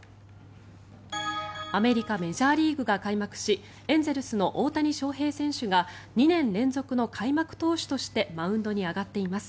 アメリカ、メジャーリーグが開幕しエンゼルスの大谷翔平選手が２年連続の開幕投手としてマウンドに上がっています。